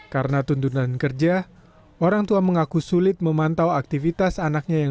karena tuntunan kerja orang tua mengaku sulit memantau akibatnya